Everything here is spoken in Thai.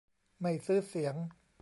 ไม่ซื้อเสียง